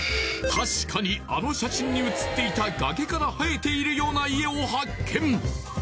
確かにあの写真に写っていた崖から生えているような家を発見